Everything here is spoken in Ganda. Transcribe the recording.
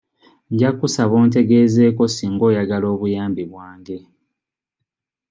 Nja kusaba ontegezeeko singa oyagala obuyambi bwange.